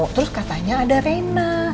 terus katanya ada reina